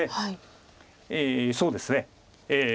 そうですね。